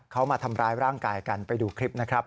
เขามาทำร้ายร่างกายกันไปดูคลิปนะครับ